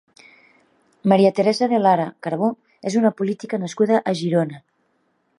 María Teresa de Lara Carbó és una política nascuda a Girona.